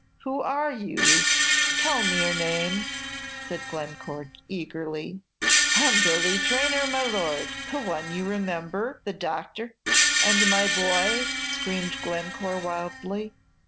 "Who are you? Tell me your name?" said Glencore, eagerly. "I'm Billy Traynor, my Lord, the one you remember, the doctor " "And my boy!" screamed Glencore, wildly.